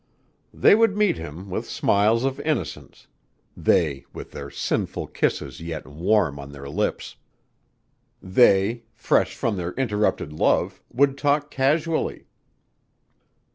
They would meet him with smiles of innocence: they with sinful kisses yet warm on their lips. They, fresh from their interrupted love, would talk casually.